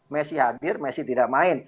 messi hadir messi tidak main